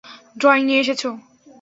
Drawing নিয়ে এসেছো?